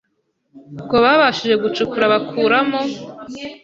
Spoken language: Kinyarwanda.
Ubwo babashije gucukura bakuramo